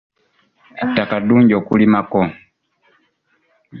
Ettaka ddungi okulima ko.